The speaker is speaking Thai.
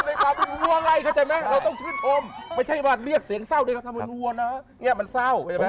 ทำงานเหมือนวัวนะมันเศร้า